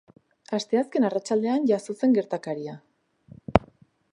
Asteazken arratsaldean jazo zen gertakaria.